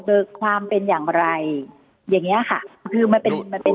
เออความเป็นอย่างไรอย่างเงี้ยค่ะคือมันเป็นมันเป็น